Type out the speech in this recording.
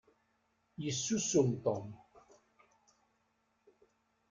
Yessusum Tom.